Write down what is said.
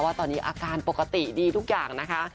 ว่าตอนนี้อาการปกติดีทุกอย่างนะคะ